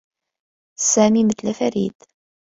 سامي مثل فريد.